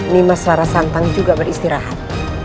nimas larasantang juga beristirahat